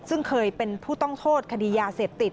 ซึ่งเคยเป็นผู้ต้องโทษคดียาเสพติด